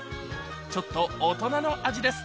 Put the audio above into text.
ちょっと大人の味です